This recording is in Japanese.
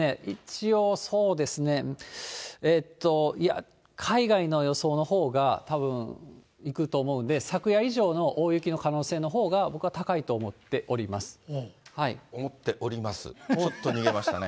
一応、そうですね、えっと、いや、海外の予想のほうが、たぶん、いくと思うんで、昨夜以上の大雪の可能性のほうが、僕は高いと思っております。